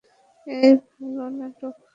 এ হলো নাটক।